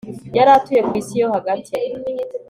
Yari atuye ku isi yo hagati